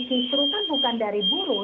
justru kan bukan dari buruh